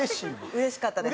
うれしかったです。